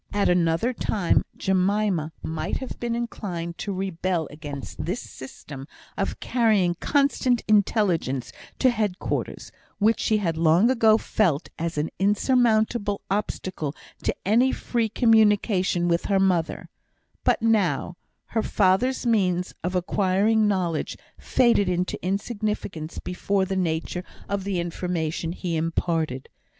At another time, Jemima might have been inclined to rebel against this system of carrying constant intelligence to headquarters, which she had long ago felt as an insurmountable obstacle to any free communication with her mother; but now, her father's means of acquiring knowledge faded into insignificance before the nature of the information he imparted.